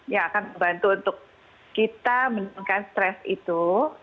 yang akan membantu untuk kita menurunkan stres itu